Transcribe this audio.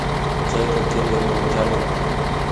Chayka kimirimunllami